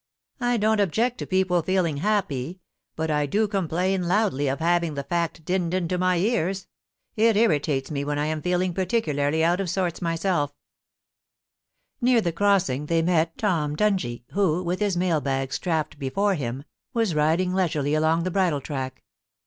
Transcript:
I don't object to people feeling happy ; but I do complain loudly of having the fact dinned into my ears ; it irritates me when I am feeling particularly out of sorts myself Near the crossing they met Tom Dungie, who, with his mail bags strapped before him, was riding leisurely along the bridle track.